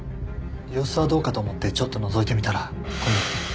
様子はどうかと思ってちょっとのぞいてみたらこんな事に。